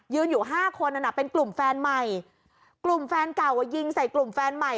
อยู่ห้าคนนั้นน่ะเป็นกลุ่มแฟนใหม่กลุ่มแฟนเก่าอ่ะยิงใส่กลุ่มแฟนใหม่